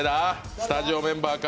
スタジオメンバーか？